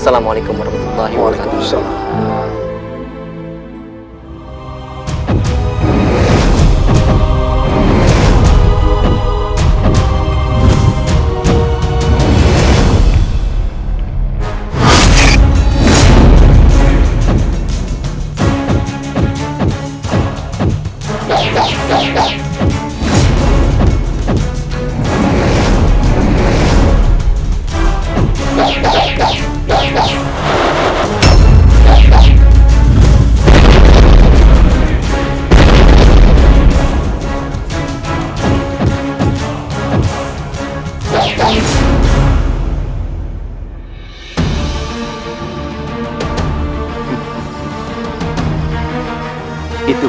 assalamualaikum warahmatullahi wabarakatuh